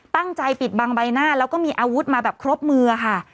ปิดบังใบหน้าแล้วก็มีอาวุธมาแบบครบมือค่ะ